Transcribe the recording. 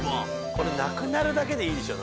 これなくなるだけでいいでしょ。